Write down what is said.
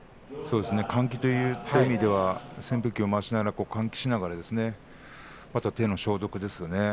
換気という意味では扇風機を回しながら換気をして手の消毒ですね。